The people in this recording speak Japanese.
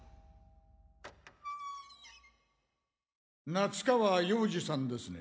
夏川洋二さんですね？